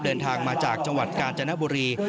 เดินทางมาจากจังหวัดกาญจนบุรี